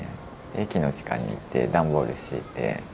駅の地下にいて段ボール敷いて。